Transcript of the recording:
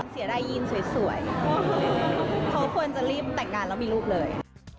เสียดายินสวยเขาควรจะรีบแต่งงานแล้วมีลูกเลย